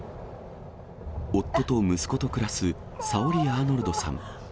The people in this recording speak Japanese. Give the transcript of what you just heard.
夫と息子と暮らす、さおりアーノルドさん。